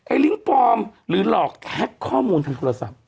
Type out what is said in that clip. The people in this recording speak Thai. ลิงก์ปลอมหรือหลอกแท็กข้อมูลทางโทรศัพท์